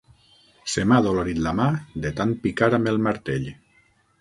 Se m'ha adolorit la mà de tant picar amb el martell.